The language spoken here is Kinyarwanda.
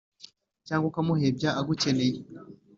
cyangwa ukamuhebya agukeneye.